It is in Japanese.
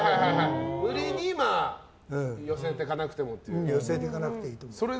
無理に寄せていかなくていいと。